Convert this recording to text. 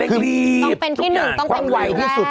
ต้องเป็นที่หนึ่งเป็นคนแรก